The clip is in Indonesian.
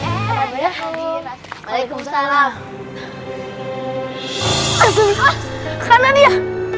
masih ambil liat